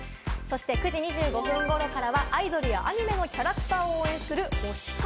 ９時２５分頃からはアイドルやアニメのキャラクターを応援する推し活。